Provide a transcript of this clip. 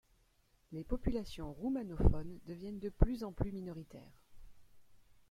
Les populations roumanophones deviennent de plus en plus minoritaires.